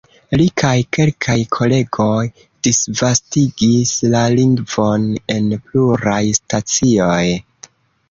Li kaj kelkaj kolegoj disvastigis la lingvon en pluraj stacioj.